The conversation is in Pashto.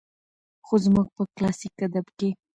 خو زموږ په کلاسيک ادب کې